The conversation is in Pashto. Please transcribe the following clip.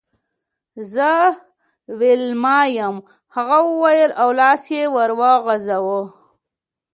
زه ویلما یم هغې وویل او لاس یې ور وغزاوه